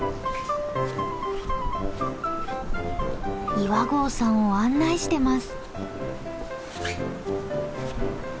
岩合さんを案内してます。